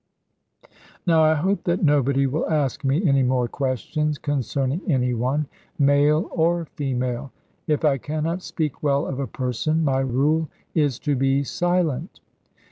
Now I hope that nobody will ask me any more questions concerning any one, male or female. If I cannot speak well of a person my rule is to be silent.